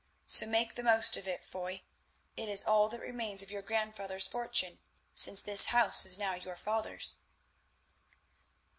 So make the most of it, Foy; it is all that remains of your grandfather's fortune, since this house is now your father's."